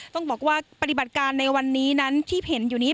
ต้องบอกว่าปฏิบัติการในวันนี้นั้นที่เห็นอยู่นี้